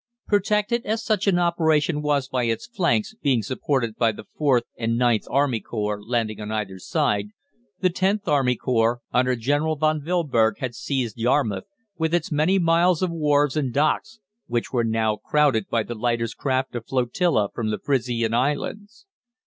Protected as such an operation was by its flanks being supported by the IVth and IXth Army Corps landing on either side, the Xth Army Corps, under General von Wilburg, had seized Yarmouth, with its many miles of wharves and docks, which were now crowded by the lighters' craft of flotilla from the Frisian Islands.